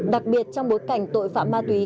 đặc biệt trong bối cảnh tội phạm ma túy